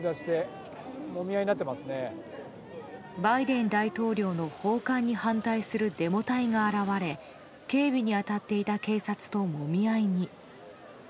バイデン大統領の訪韓に反対するデモ隊が現れ警備に当たっていた警察ともみ合いに。